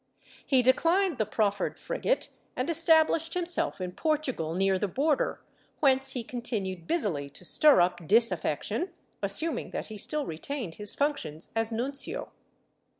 ^ He declined the proffered frigate and established himself in Portugal, near the border, whence he con tinued busily to stir up disaffection, assuming that he still retained his functions as nuncio.